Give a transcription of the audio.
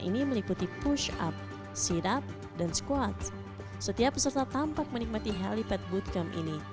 ini meliputi push up sidap dan squat setiap peserta tampak menikmati helipad bootcamp ini